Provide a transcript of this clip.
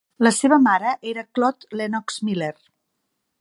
La seva mare era Claude Lennox Miller.